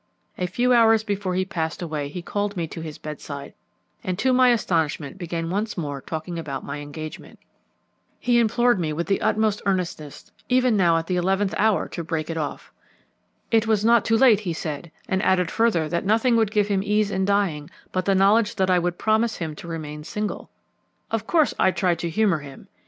A few hours before he passed away he called me to his bedside, and to my astonishment began once more talking about my engagement. He implored me with the utmost earnestness even now at the eleventh hour to break it off. It was not too late, he said, and added further that nothing would give him ease in dying but the knowledge that I would promise him to remain single. Of course I tried to humour him.